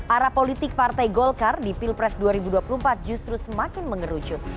arah politik partai golkar di pilpres dua ribu dua puluh empat justru semakin mengerucut